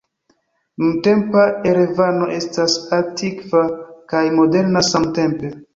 Nuntempa Erevano estas antikva kaj moderna samtempe.